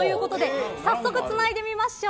早速、つないでみましょう。